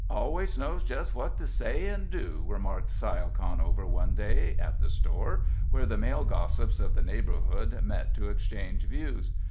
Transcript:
"Always knows just what to say and do," remarked Syle Conover, one day, at the store, where the male gossips of the neighborhood met to exchange views.